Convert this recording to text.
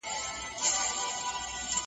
ماته مي مور ماته مي پلار ماته مُلا ویله .